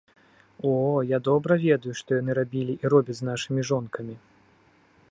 О, я добра ведаю, што яны рабілі і робяць з нашымі жонкамі.